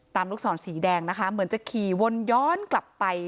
ลูกศรสีแดงนะคะเหมือนจะขี่วนย้อนกลับไป